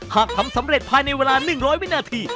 หากทำสำเร็จภายในเวลา๑๐๐วินาที